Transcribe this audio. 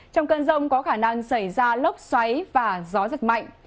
trong cơn rông có khả năng xảy ra lốc xoáy và gió giật mạnh